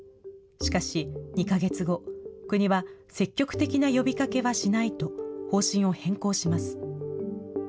しかし２か月後、国は積極的な呼びかけはしないと方針を変更します。